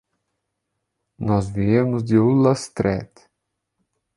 Nós viemos de Ullastret.